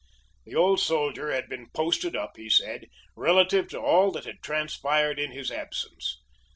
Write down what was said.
The old soldier had been "posted up," he said, relative to all that had transpired in his absence.